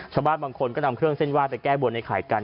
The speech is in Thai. ชาวบ้านบางคนก็นำเครื่องเส้นไห้ไปแก้บนไอไข่กัน